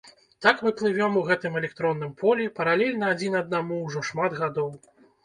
Так мы плывём у гэтым электронным полі паралельна адзін аднаму ўжо шмат гадоў.